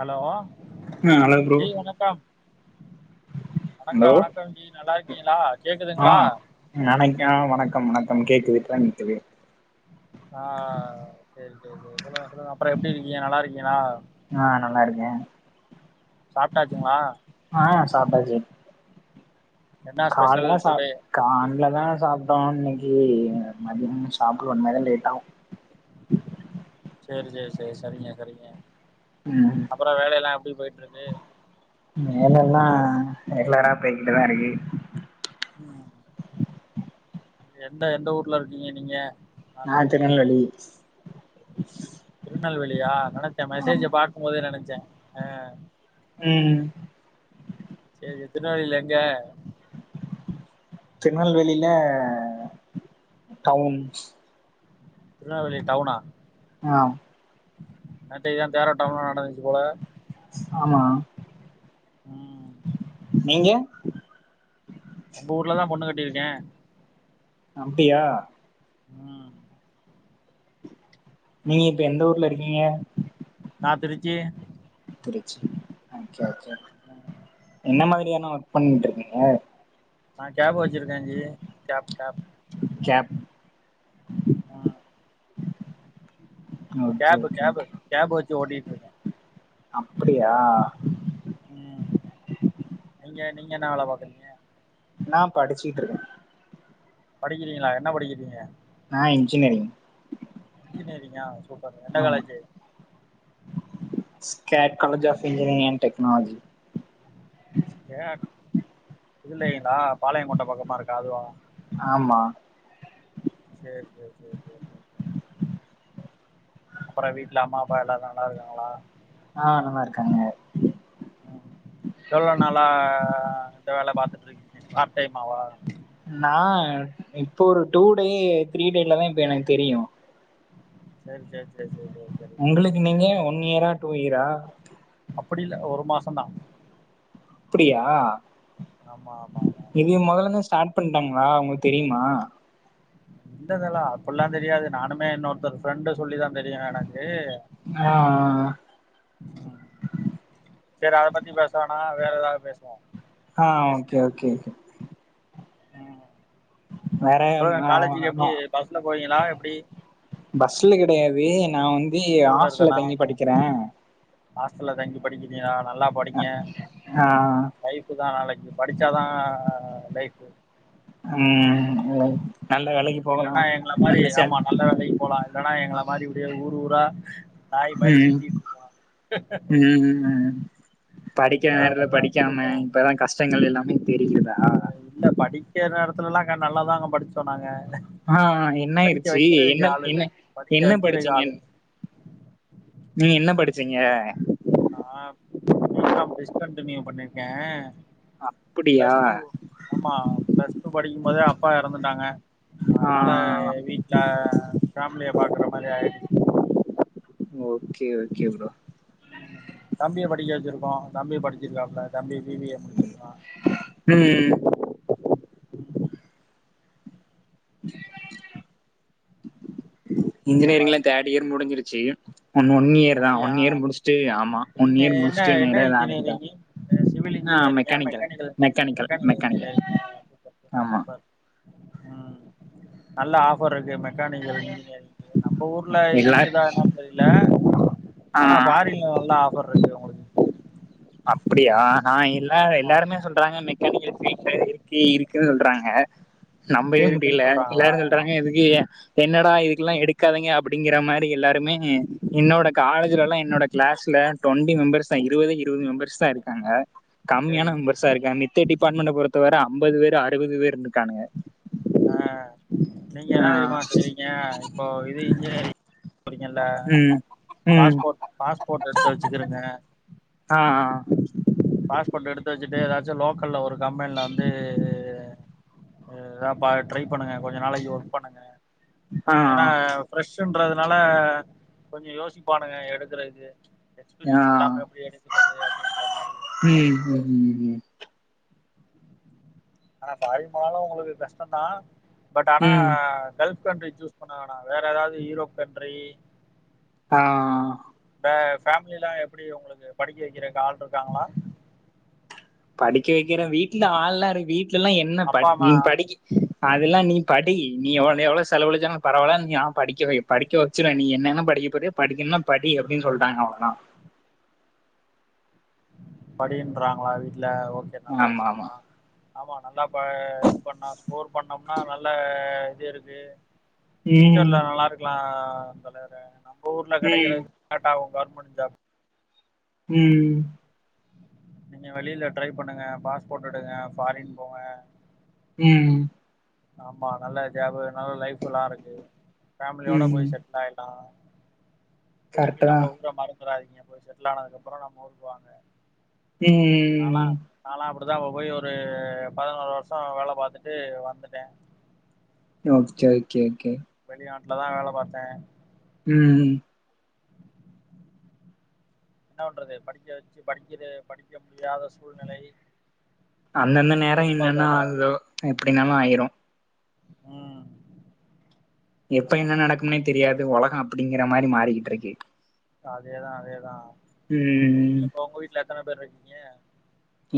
Hello ஆ hello bro G வணக்கம் hello வணக்கம் வணக்கம் ஜி நல்லா இருக்கீங்ளா கேக்குதுங்ளா நெனைக்கா வணக்கம் வணக்கம் கேக்குது இப்பதா கேக்குது ஆ சேரி சேரி சேரி சொல்லுங்க சொல்லுங்க அப்றோ எப்டி இருக்கீங்க நல்லா இருக்கீங்ளா ஆ நல்லா இருக்கே சாப்டாச்சிங்ளா ஆ சாப்டாச்சி என்ன ஸ்பெஷல் கால்லதா சாப் டுடே கால்லதா சாப்டோ இன்னைக்கி மதியம் சாப்புட்ல இனிமேதா லேட் ஆகு சேர் சேர் சேர் சரிங்க சரிங்க ம் அப்பறோ வேலையெல்லா எப்டி போயிட்ருக்கு ம் வேலல்லா ரெகுலரா போயிட்டுதா இருக்கு ம் நீங்க எந்த எந்த ஊர்ல இருக்கீங்க நீங்க நான் நா திருச்சி திருநெல்வேலி திருநெல்வேலியா நெனைச்ச ஆமா மெசேஜ பாக்கும் போதே நெனைச்ச அ ம் சேரி திருநெல்வேலில எங்க திருநெல்வேலில டவுன்ஸ் திருநெல்வேலி டவுனா ஆ நேத்திக்கியோ தேரோட்டம் நடந்துச்சி போல ஆமா ம் நீங்க உங்க ஊர்ல தா பொண்ணு கட்டிருக்கே அப்டியா ம் நீங்க இப்ப எந்த ஊர்ல இருக்கீங்க நா திருச்சி என்ன மாதிரியான ஒர்க் பண்றுகீங்க நா கேப் வச்சிருக்க ஜி கேப் கேப் கேப் ம் okay cab okay cab cab வச்சு ஓட்டிட்ருக்க அப்புடியா ம் நீங்க நீங்க என்னா வேல பாக்குறீங்க நா படிச்சுட்ருக்க படிக்கிறீங்களா என்ன படிக்கிறீங்க ஆ இன்ஜினரிங் இன்ஜினரிங்கா சூப்பர்ங்க எந்த college skate college of engineering and technology skate இதுலைங்ளா பாளைய கோட்ட பக்கமா இருக்கே அதுவா ஆமா சேரி சேரி சேரி சேரி அப்பறோ வீட்ல அம்மா அப்பா எல்லாரு நல்லா இருக்காங்களா ஆ நல்லா இருக்காங்க எவ்ளோ நாளா இந்த வேல பாத்துட்ருக்கீங்க பார்ட் டைமாவா நா இப்போ ஒரு டூ டே த்ரீ டேலதா இப்ப எனக்கு தெரியு செரி செரி செரி செரி செரி செரி உங்களுக்கு நீங்க ஒன் இயரா டூ இயரா அப்புடி இல்ல ஒரு மாசோ தா அப்படியா ஆமா ஆமா ஆமா ஆமா இது மொதல்ல இருந்தே ஸ்டார்ட் பண்ணிட்டாங்களா உங்களுக்கு தெரியுமா இல்ல தல அப்பிட்ல்லா தெரியாது நானுமே இன்னொருத்தர் ஃப்ரெண்டு சொல்லிதா தெரியுமே எனக்கு எப்டி ஆ இருக்க ம் செரி அத பத்தி பேச வேணா வேற ஏதாவது பேசுவோ ஆ பேசுங்க ஓகே ஓகே ம் வேற சொல்லுங்க ஆ, காலேஜுக்கு எப்டி ஆமா. பஸ்ல போவீங்களா எப்டி பஸ்ல கெடையாது நா வந்து டூ வீலர் ஹாஸ்டல்ல தானா தங்கி படிக்கிறே ஹாஸ்டல்ல தங்கி படிக்கிறீங்களா நல்லா படிங்க ஆ லைஃப்ஃபுதா நாளைக்கி படிச்சாதா லைஃப்ஃபு ம் நல்ல வேலைக்கு போகலா இல்லனா எங்கள மாரி நல்ல சேல் ஆமா நல்ல வேலைக் போலா இல்லனா எங்கள மாரி இப்டியே ஊர் ஊரா நாய் மாரி ம் சுத்திட்டுருக்கோ ம் படிக்கிற நேரத்துல படிக்காம இப்பதா கஷ்டங்கள் எல்லாமே தெரியுதா இல்ல இல்ல படிக்கிற நேரத்துலல்லா நாங்க நல்லாதாங்க படிச்சோ நாங்க ஆ என்ன படிக்க ஆயிருச்சு வைக்கிறதுக்கு என்ன ஆள் இல்ல என்ன படிக்க என்ன வைக்கிறதுக்கு படிச்சீங்க ஆள் இல்ல நீங்க என்ன படிச்சீங்க நா பி காம் டிஸ்கண்டினியூ பண்ணிட்ட அப்படியா பிளஸ் டூ ஆமா பிளஸ் டூ படிக்கும் போதே அப்பா எறந்துட்டாங்க அதனால ஆ வீட்ல ஃபேமிலிய பாக்கற மாரி ஆயிடுச் ஓகே ஓகே ப்ரோ ம் தம்பிய படிக்க வெச்சிருக்கோ தம்பி படிச்சிருக்காப்புல தம்பி பி பி ஏ முடிச்சிருக்கா ம் ம் அந்த இஞ்சினியரிங்ல மாரி தேர்ட் இயர் முடிஞ்சிருச்சு ஒன் ஒன் இயர் தா அப்டியா ஒன் இயர் முடுஸ்ட்டு ஆமா ஒன் இயர் முடுஸ்ட்டு நேரா வேலைக்குதா அ சிவில் இஞ்ஜினியரிங்கா மெக்கானிக்கல் மெக்கானிக்கல் இஞ்ஜினியரிங்கா சூப்பர் சூப்பர் ஆமா சூப்பர் ம் நல்ல ஆஃபர் இருக்கு மெக்கானிக்கல் இஞ்சினியரிங்க்கு நம்ப ஊர்ல எல்லா இருக்குதா என்னன் தெரில ஆ ஆனா ஃபாரின்ல நல்லா ஆஃபர் இருக்கு உங்களுக் அப்படியா நா எல்லாரு ஆமா எல்லாருமே சொல்றாங்க மெக் மெக்கானிக்களு சீட்டு இருக்கு இருக்குன் சொல்றாங்க இங்க நம்பயே இருக்குன்னு முடில சொல்றாங்களா எல்லாரு சொல்றாங்க எதுக்கு என்னடா இதுக்கெல்லா எடுக்காதீங்க அப்டிங்கிற மாரி எல்லாருமே என்னோட காலேஜ்லலா என்னோட கிளாஸ்ல டொண்ட்டி மெம்பர்ஸ்தா இருவது இருவது மெம்பர்ஸ்தா இருக்காங்க கம்மியான சரிங்க மெம்பர்ஸ்ஸா இருக்காங் நே மத்த டிபார்ட்மெண்ட்ட பொறுத்த வர அம்பது பேரு அறுவது பேருன்னுக்கானுக ஆ நீங்க என்னா தெரியுமா ஆ செய்றீங்க இப்போ இது இஞ்சினியரிங் போறிங்கல்ல ம் ம் பாஸ்போர்ட் பாஸ்போர்ட் எடுத்து வெச்சுக்குருங்க ஆ ஆ பாஸ்போர்ட் எடுத்து வெச்சுட்டு ஏதாச்சு லோக்கல்ல ஒரு கம்பெனில வந்து அ த பா ட்ரை பண்ணுங்க கொஞ்ச நாளைக்கு ஒர்க் பண்ணுங்க ஆ கொஞ்சன்னா ஆ ஃப்ரெஷ்ஷுன்றதுனால கொஞ்சோ யோசிப்பானுங்க எடுக்கறதுக்து எக்ஸ்பீரியன்ஸ் ஆ இல்லாம எப்டி எடுக்கறது அப்டின்ற மாரி ம் ம் ம் ம் ஆனா ஃபாரின் போனாலு உங்களுக்கு கஷ்டந்தா பட் ஆனா ம் கல்ஃப் கண்ட்ரி சூஸ் பண்ண வேணா வேற எதாவது ஈரோப் கண்ட்ரி ஆ இந்த ஃபேமிலில்லா எப்டி உங்களுக்கு படிக்க வெக்கிறக் ஆள் இருக்காங்களா படிக்க வைக்கிறே வீட்டுல ஆள்லா இரு வீட்ல எல்லா என்ன ப அப்பா அம்மா நீ படிக்கி அதெல்லா நீ படி நீ எவ் நீ எவ்வளோ செலவழிச்சாலு பரவால்ல நா படிக்க வை படிக்க வச்சுருவே நீ என்னென்ன படிக்க போறியோ படிக்கன்னா படி அப்டின் சொல்டாங்க அவுங்கள்ளா படின்றாங்களா வீட்டுல ஓகே நல்ல ஆமா ஆமா விஷ்யந்தா ஆமா நல்லா ப இது பண்ணா ஸ்கோர் பண்ணோம்னா நல்ல இது இருக்கு ம் ஃபியூச்சர்ல நல்லா இருக்கலா தலைவரே நம்ப ஊர்ல கெடைக்கிற ம் பட் அவு கவர்மெண்ட் ஜாப் ம் நீங்க வெளில ட்ரை பண்ணுங்க பாஸ்போட் எடுங்க ஃபாரின் போங்க ம் ஆமா நல்ல ஜாபு நல்ல லைஃப் எல்லா இருக்கு ஃபேம்லியோட போய் ம் செட் லாய்ட்டா திருப்பி கரெக்ட்டு தா நம்ப ஊர மறந் துறாதீங்க போய் செட்லானதுக்கப்பறோ நம்ம ஊர்க்கு வாங்க நாலா ம் நாலா அப்பிடிதா அப்ப போய் ஒரு பதனோரு வர்ஷோ வேல பாத்துட்டு வந்துட்டே ஓகே கே கே வெளிநாட்ல தா வேல பாத்தே ம் ம் என்னா வண்றது படிக்க வச்சு படிக்கிற படிக்க முடியாத சூழ்நிலை அன்னன்ன நேரோ இன்னென்ன குடும்பத்தோட ஆகுதோ எப்டினாலு ஆயிரு ம் எப்ப அந்த என்ன மாரி நடக்கும்னே தெரியாது ஒலகோ அப்படிங்கிற மாரி மாறிக்கிட்ருக்கு அதேதா அதேதா நீ ம். இப்போ ஒங்க வீட்ல எத்தன பேர் இருக்கீங்க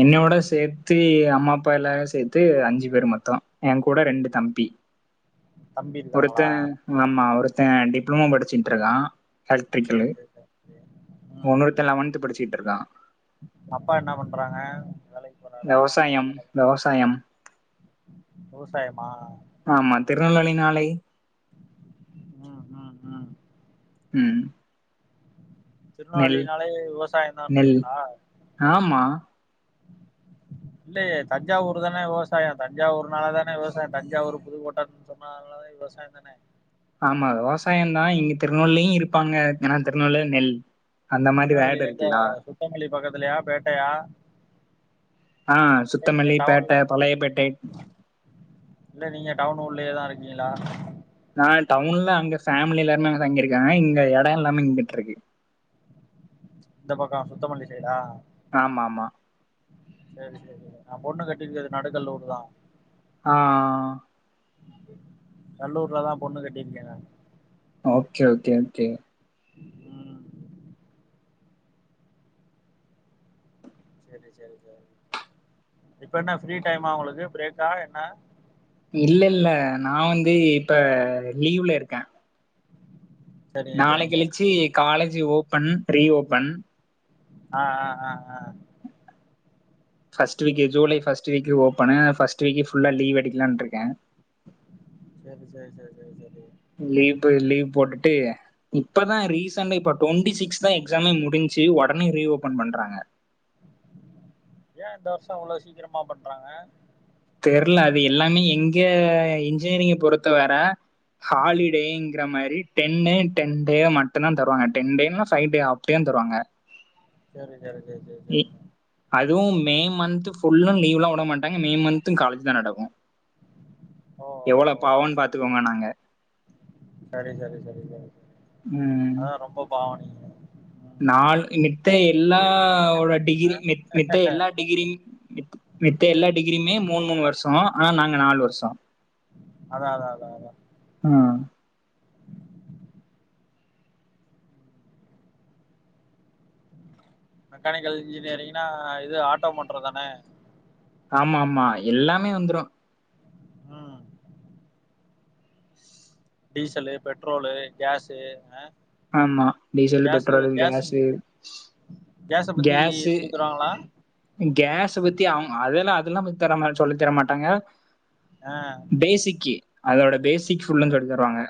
என்யோட சேத்து அம்மா அப்பா எல்லா சேத்து அஞ்சு பேரு மொத்தோ எ கூட ரெண்டு தம்பி தம்பி ஒருத்த இருக்காங்களா ஆமா ஒருத்த டிப்ளமோ படிச்சிட்ருக்கா சேரி எல்க்ட்ரிக்கலு சேரி சேரி சேரி ம் உன்னோருத்த லெவன்த்து படிச்சிகிட்ருக்கா அப்பா என்ன பண்றாங்க வேலைக் வெவசாயம் வெவசாயம் விவசாயமா ஆமா திருநெல்வேலினாலே ம் ம் ம் ம் நெல் திருநெவேலினாலே நெல். விவசாயந்தான்றீங்களா ஆமா இல்லையே தஞ்சாவூரு தான விவசாயோ தஞ்சாவூர்னால தான விவசாயோ தஞ்சாவூரு புதுக்கோட்டன் சொன்னாலே விவசாயந்தான ஆமா விவசாயந்தா இங்க திருநெவேலியு இருப்பாங்க ஏனா திருநெவேலில நெல் அந்த மாரி வேடு திருநெல்வேலியில எங்க இருக்குல்லா சுத்தமல்லி பக்கத்துலயா பேட்டையா ஆ இல்ல நீங்க சுத்தமல்லி டவுன்ல பேட்ட பழையப்பேட்டை இல்ல நீங்க டவுன் உள்ளயே தா இருக்கீங்ளா நா டவுன்ல அங்க ஃபேமிலி எல்லாருமே அங்க தங்கிருக்காங்க இங்க எடோ எல்லாமே இங்கிட்ருக்கு இந்த பக்கோ சுத்தமல்லி சைடா ஆமாமா சேரி சேரி நா பொண்ணு கட்டீர்க்கற்து நடுக்கல்லூரு தா ஆ ஆ கல்லூர்லதா பொண்ணு கட்டீர்க்கே நானு ஓகே ஓகே ஓகே ம் இப்ப என்ன ஃப்ரீ டைமா உங்களுக்கு ப்ரேக்கா என்ன இல்லல்ல நா வந்து இப்ப லீவுல இருக்கே சரிங்க நாள சரிங்க கழிச்சி காலேஜு ஓப்பன் ரீஓப்பன் ஆ ஆ ஆ ஆ ஃபஸ்ட்டு வீக்லே ஜூலை ஃபஸ்ட்டு வீக்ல ஓப்பனு ஃபஸ்ட்டு வீக்கு ஃபுல்லா லீவு எடுக்கலான்ட்ருக்கே செரி செரி சேர் சேர் செரி லீப்பு லீவ் போட்டுட்டு இப்பதா ரீசெண்டா இப்ப டொண்ட்டி சிக்ஸ் தா எக்ஸாமே முடிஞ்ச்சு ஒடனே ரீஓப்பன் பண்றாங்க ஏ இந்த வர்ஷோ இவ்ளோ சீக்கிரமா பண்றாங்க தெர்ல அது எல்லாமே இங்க இன்ஜினியரிங்க பொறுத்த வர ஹாலிடேங்கிற மாரி டென்னு டென் டே மட்டுந்தா தருவாங்க டென் டேன்லா ஃபை டே அப்டியு தருவாங்க செரி செரி சேர் சேர் செரி அதுவும் மே மந்த் ஃபுல்லும் லீவுல்லாம் உட மாட்டாங்க மே மந்த்தும் காலேஜ் தான் நடக்கும் ஓ எவ்ளோ பாவோன்னு பாத்துக்கோங்க நாங்க சரி சரி சரி சரி அதான் ரொம்ப பாவோம் நீங்க ம். நாலு மித்த லீவே குடுக்க எல்லாவோட மாட்டேன்டானுங்க டிகிரி மித் மித்த எல்லா டிகிரி மித் மித்த எல்லா டிகிரியுமே மூணு மூணு வர்ஷோம் ஆனா நாங்க நால் வர்ஷோம் அதா அதா அத அதா ம் மெக்கானிக்கல் இன்ஜினியரிங்னா இது ஆட்டோ மோட்டருதானே ஆமா ஆமா எல்லாமே வந்துரும் ம் டீசலு பெட்ரோலு கேஸு அ ஆமா டீசலு பெட்ரோலு கேஸு கேஸ பத்தி கேஸு சொல்லிதருவாங்களா கேஸ பத்தி அவுங் அதெல்லா அதெல்லா பத்தி தர மா சொல்லி தர மாட்டாங்க ஆ பேசிக்கி அதோட பேசிக் ஃபுல்லும் சொல்லி தருவாங்க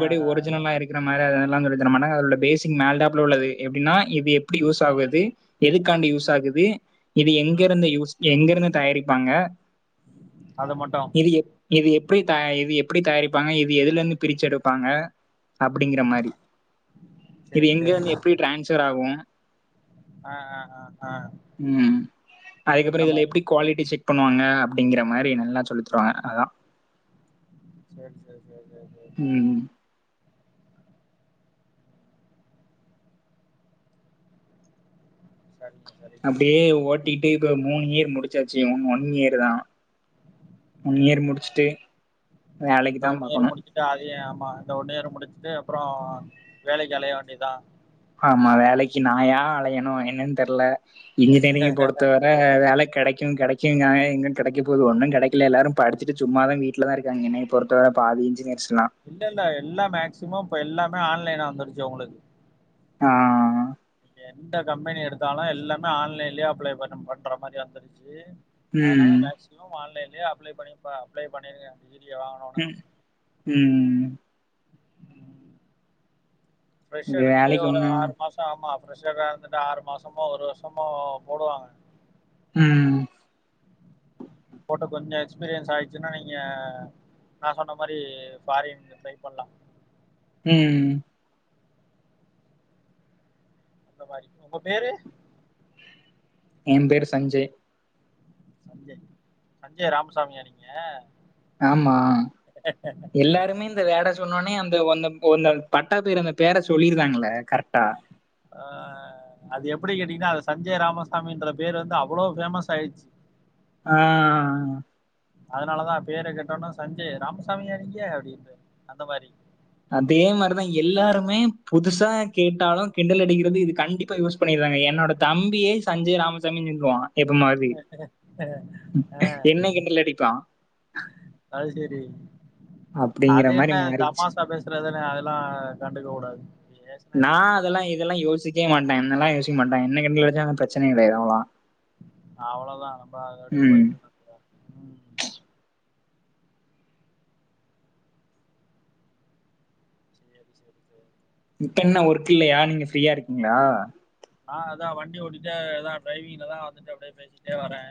ஆ ஆ ஆ ஒரிஜினலா இருக்கிற மாரி அத சொல்லி தரமாட்டாங்க பேசிக் மேல்டாப்ல உள்ளது எப்டினா இது எப்டி யூஸ் ஆகுது எதுக்காண்டி யூஸ் ம் ஆகுது இது எங்க ம் இருந்து யூஸ் எங்க இருந்து தயாரிப்பாங்க அத மட்டு இது எப் இது எப்டி த இது எப்டி தயாரிப்பாங்க இது எதுலந்து பிரிச்சு எடுப்பாங்க அப்டிங்கிற மாரி இது சேரி சேரி எங்கிருந்து சேரி எப்டி சேரி டிரான்ஸர் ஆகும் ஆ ஆ ஆ ஆ ம் அதுக்கப்றம் அந்த இதுல மாரி எப்டி குவாலிட்டி செக் பண்ணுவாங்க அப்டிங்கிற மாரி நல்லா சொல்லித்துருவாங்க அதா சேர் சேர் சேர் சேர் ம் சரிங்க சரி அப்டியே ஓட்டிட்டு இப்ப மூணு இயர் முடிச்சாச்சு இன்னு ஒன் இயர்தா ஒன் ஆ இயர் முடிச்சுட்டு வேலக்கிதா பாக்கணு ட்டு அத ஆமா இந்த ஒன்னியர் முடிச்சுட்டு அப்பறோ வேலைக்கு அலைய வேண்டியதா ஆமா வேலைக்கி நாயா அலையணு என்னன் தெர்ல இன்ஜினியரிங் பொறுத்தவர வேல கெடைக்கு கெடைக்குங்காங்க எங்கு கெடைக்க போது ஒன்னு கெடைக்கல எல்லாரு படிச்சிட்டு சும்மாதா வீட்லதா இருக்காங்கன்ன பொறுத்த வர பாதி இன்ஜினியர்ஸ்னா இல்ல இல்ல எல்லா மேக்சிமம் இப்ப எல்லாமே ஆன்லைனா வந்துடுச்சு உங்களுக்கு ஆ ஆ ஆ என்த கம்பெனி எடுத்தாலு எல்லாமே ஆன்லைன்லே அப்ளை பண்ண பண்ற மாரி வந்துருச்சு அதனால ம், மேக்சிமம் ஆன்லைன்லே அப்ளே பண்ணி அப்ளே பண்ணிருங்க வீடியோ வாங்கனுனா ம் ம் ம் ஃப்ரெஷ் இது எடுத்துட்டு வேலைக்கு ஒரு ஒன்றும் ஆறு மாசோ ஆமா ஃப்ரெஷ்டா இருந்துட்டு ஆறு மாசமோ ஒரு வருஷமோ போடுவாங்க ம் போட்டு கொஞ்ச எக்ஸ்பீரியன்ஸ் ஆயிடுச்சுனா நீங்க நா சொன்ன மாரி ஃபாரின்கு ட்ரை பண்லா ம் இந்த மாரி ஒங்க பேரு எ பேரு சஞ்சய் சஞ்சய் சஞ்சய் ராமசாமியா நீங்க ஆமா எல்லாருமே இந்த வேட சொன்னோனே அந்த அந்த ஒந்த பட்டா பேரு அந்த பேர சொல்லிருகாங்கள கரெக்ட்டா ஆ அது எப்பிடி கேட்டீங்ன்னா அது சஞ்சய் ராமசாமி என்ற பேரு வந்து அவ்ளோ ஃபேமஸ் ஆயிற்ச்சி ஆ அத்னாலதா பேர கேட்டோனே சஞ்சய் ராமசாமியா நீங்க அப்டின்ட்றே அந்த மாரி அதே மாரிதா எல்லாருமே புதுசா கேட்டாலு கிண்டல் அடிக்கிறது இது கண்டிப்பா யூஸ் பண்ணிற்றாங்க என்னோட தம்பியே சஞ்சய் ராமசாமினு சொல்வா எப்ப மாரி ஆஹ் ஆஹ் என்ன கிண்டல் அடிப்பா அது சேரி அப்படிங்கிற அது என்ன மாதிரி மாறிடுச்சு தமாசா பேசுறதுன்னு அதெல்லா கண்டுக்க கூடாது பேசுனா பேசிட் அதெல்லா இதெல்லா யோசிக்க மாட்டே என்னெல்லா யோசிக்க மாட்டாங்கே என்ன எங்குளாயா ப்ரச்சன இல்லயோவா அவ்ளோதா நம்ம அப்டியே ம் போயிட்டுருக்கோ சி ம் சேத்து இப்ப என்ன ஒர்க் இல்லையா நீங்க ஃப்ரீயா இருக்கீங்களா ஆ அதா வண்டி ஓட்டிட்டே அதா ட்ரைவிங்லதா அப்டியே பேசிட்டே வரே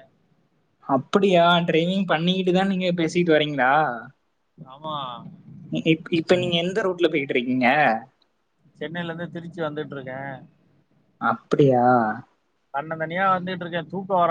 அப்டியா டிரைவிங் பண்ணிகிட்டு தா நீங்க பேசிட்டு வரீங்களா ஆமா இப் இப்ப நீங்க எந்த ரூட்ல போய்ட்ருக்கீங்க சென்னைலருந்து திருச்சி வந்துட்டுருக்கே அப்டியா தன்னந்தனியா வந்துட்டுருக்கே தூக்க வரோ